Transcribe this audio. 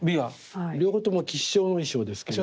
両方とも吉祥の意匠ですけども。